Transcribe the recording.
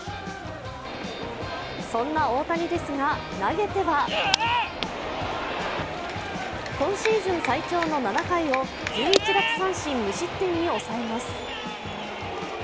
そんな大谷ですが、投げては今シーズン最長の７回を１１奪三振無失点に抑えます。